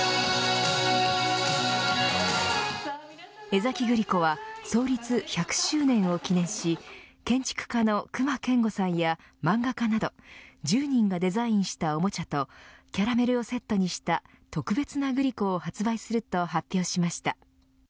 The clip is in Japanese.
江崎グリコは創立１００周年を記念し建築家の隈研吾さんや漫画家など１０人がデザインしたおもちゃとキャラメルをセットにした特別なグリコを発売すると発表しました。